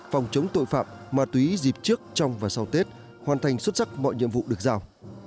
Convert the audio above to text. phòng chống tội phạm ma túy dịp trước trong và sau tết hoàn thành xuất sắc mọi nhiệm vụ được giao